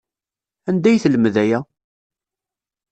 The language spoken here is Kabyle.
Anda ay telmed aya?